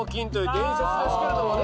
伝説ですけれどもね。